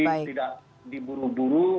jadi tidak diburu buru